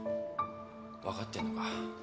分かってんのか？